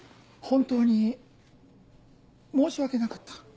本当に申し訳なかった。